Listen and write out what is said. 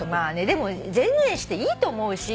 でも全然していいと思うし。